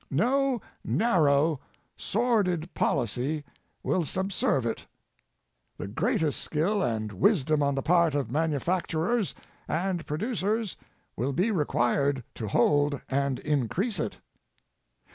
No narrow, sordid policy will subserve it. The greatest skill and wisdom on the part of manufacturers and producers will be required to hold and increase it.